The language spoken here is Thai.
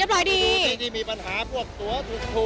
ดูสิที่มีปัญหาพวกตัวถูก